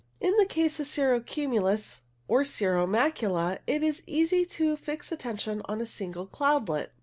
In the case of cirro cumulus, or cirro macula, it is easy to fix attention on a single cloudlet.